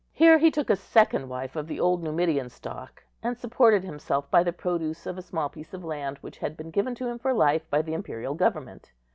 Here he took a second wife of the old Numidian stock, and supported himself by the produce of a small piece of land which had been given to him for life by the imperial government.